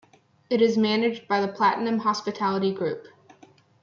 It is managed by the Platinum Hospitality Group.